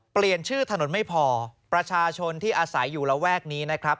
เปลี่ยนชื่อถนนไม่พอประชาชนที่อาศัยอยู่ระแวกนี้นะครับ